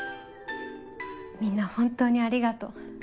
みんな本当にありがとう。